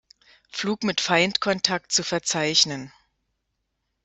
Flug mit Feindkontakt zu verzeichnen.